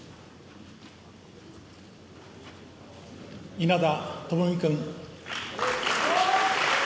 稲田朋美君。